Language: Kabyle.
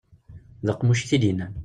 D aqemmuc i t-id-yennan.